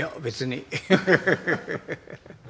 ハハハハ。